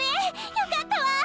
よかったわ！